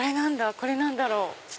これ何だろう？